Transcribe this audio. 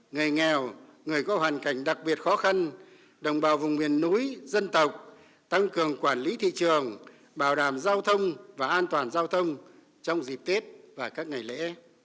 người nghèo người có hoàn cảnh đặc biệt khó khăn đồng bào vùng miền núi dân tộc tăng cường quản lý thị trường bảo đảm giao thông và an toàn giao thông trong dịp tết và các ngày lễ